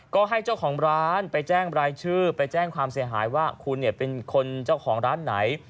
ก็ให้เจ้าของร้านไปแจ้งรายชื่อไปแจ้งความเสียหายว่าคุณเนี่ยเป็นคนเจ้าของร้านไหน